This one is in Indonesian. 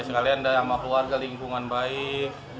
sekalian sama keluarga lingkungan baik